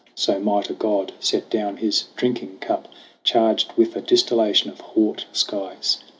So might a god set down his drinking cup Charged with a distillation of haut skies.